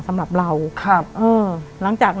แต่ขอให้เรียนจบปริญญาตรีก่อน